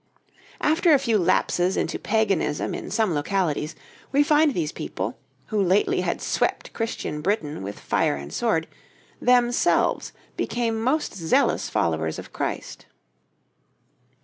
After a few lapses into paganism in some localities, we find these people, who lately had swept Christian Britain with fire and sword, themselves became most zealous followers of Christ.